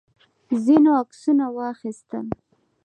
ځینو عکسونه واخیستل.